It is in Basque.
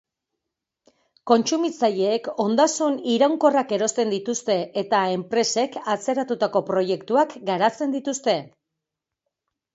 Kontsumitzaileek ondasun iraunkorrak erosten dituzte eta enpresek atzeratutako proiektuak garatzen dituzte.